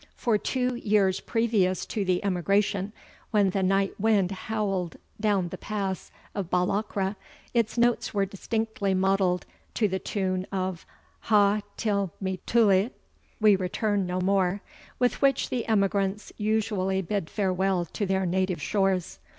For two years previous to the emigration, when the night wind howled dawn the pass of Balachra, its notes were distinctly modelled to the tune of "HA TIL MI TULIDH" (we return no more), with which the emigrants usually bid farewell to their native shores.